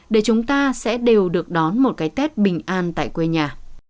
để chúng ta sẽ đều được đón một cái tết bình an tại quê nhà